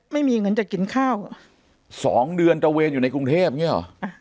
ไม่มีเงินจะกินข้าวสองเดือนตระเวนอยู่ในกรุงเทพอย่างเงี้หรอ